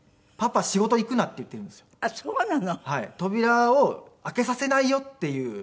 扉を開けさせないよっていう。